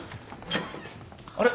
あれ？